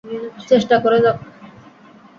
চেষ্টা করে যাক।